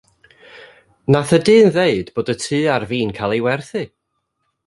Nath y dyn ddeud bod y tŷ ar fin cael 'i werthu.